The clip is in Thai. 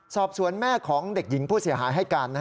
สอบสวนแม่ของเด็กหญิงผู้เสียหายให้การ